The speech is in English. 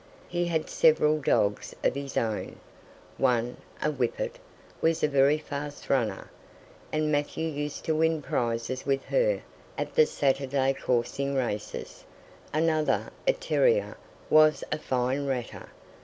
He had several dogs of his own; one, a whippet, was a very fast runner, and Matthew used to win prizes with her at the Saturday coursing races; another, a terrier, was a fine ratter.